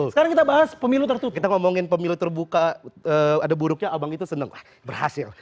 sekarang kita bahas pemilu tertutup kita ngomongin pemilu terbuka ada buruknya abang itu seneng berhasil